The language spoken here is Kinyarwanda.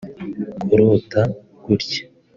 Kurota gutya